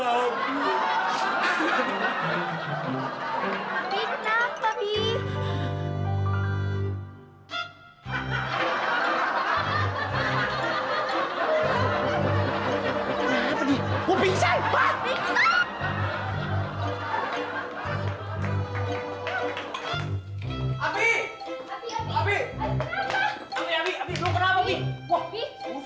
aku dijangka baru